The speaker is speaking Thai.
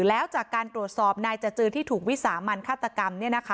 แล้วจากการตรวจสอบนายจจือที่ถูกวิสามันฆาตกรรม